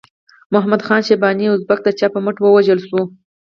محمد خان شیباني ازبک د چا په مټ ووژل شو؟